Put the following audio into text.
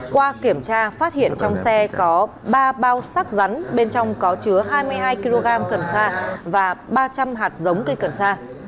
qua kiểm tra phát hiện trong xe có ba bao sắc rắn bên trong có chứa hai mươi hai kg cần sa và ba trăm linh hạt giống cây cần sa